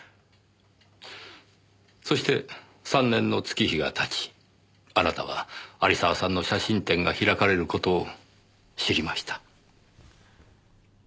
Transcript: そして３年の月日が経ちあなたは有沢さんの写真展が開かれる事を知りました。